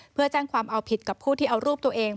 เพื่อแจ้งความเอาผิดกับผู้ที่เอารูปตัวเอง